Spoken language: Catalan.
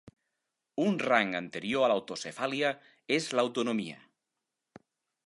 Un rang anterior a l'autocefàlia és l'autonomia.